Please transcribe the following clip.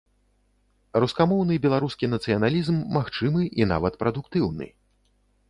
Рускамоўны беларускі нацыяналізм магчымы і нават прадуктыўны.